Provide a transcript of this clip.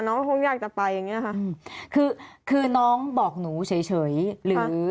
น้องคงอยากจะไปอย่างเงี้ยค่ะคือคือน้องบอกหนูเฉยเฉยหรือ